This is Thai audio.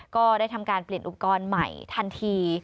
ก็ได้ทำการเปลี่ยนอุปกรณ์ใหม่ทันที